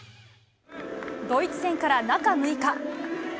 ドイツ戦から中６日。